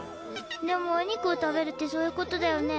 でもお肉を食べるってそういうことだよね？